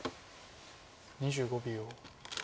２５秒。